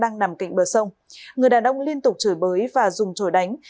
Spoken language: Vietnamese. nằm cạnh bờ sông người đàn ông liên tục trổi bới và dùng trổi đánh